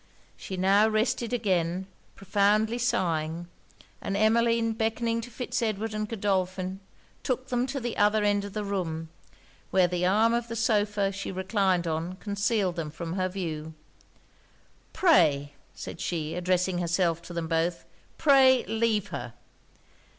She now rested again, profoundly sighing; and Emmeline beckoning to Fitz Edward and Godolphin, took them to the other end of the room, where the arm of the sopha she reclined on concealed them from her view. 'Pray,' said she, addressing herself to them both, 'pray leave her.'